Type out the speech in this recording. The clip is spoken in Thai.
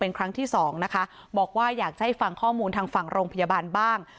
เป็นครั้งที่สองนะคะบอกว่าอยากจะให้ฟังข้อมูลทางฝั่งโรงพยาบาลบ้าง